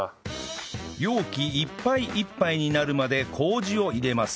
容器いっぱいいっぱいになるまで麹を入れます